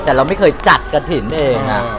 แต่เราไม่เคยจัดกระถิ่นเอง